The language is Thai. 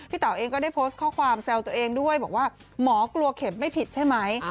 เต๋าเองก็ได้โพสต์ข้อความแซวตัวเองด้วยบอกว่าหมอกลัวเข็มไม่ผิดใช่ไหม